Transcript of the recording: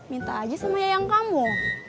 minta aja sama yayang kamu